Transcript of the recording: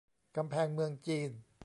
กำแพงเมืองจีน